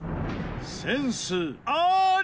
センスあり！